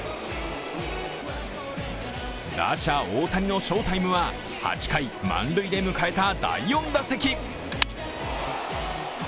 打者・大谷の翔タイムは、８回満塁で迎えた第４打席。